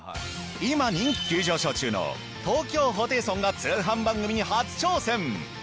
今人気急上昇中の東京ホテイソンが通販番組に初挑戦！